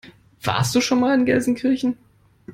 Warst du schon mal in Gelsenkirchen?